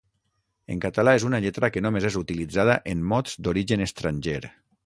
En català és una lletra que només és utilitzada en mots d'origen estranger.